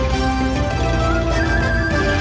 ตอนต่อไป